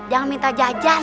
jangan minta jajan